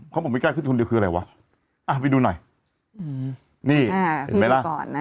ข้อมูลไม่ใกล้ขึ้นคนเดียวคืออะไรวะอ้าวไปดูหน่อยนี่เห็นไหมล่ะ